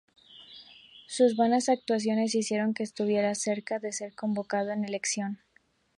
Sus buenas actuaciones hicieron que estuviera cerca de ser convocado en Selección.